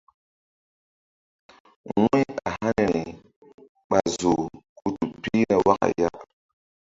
Wu̧y a haniri ɓa zoh ku tu pihna waka ya.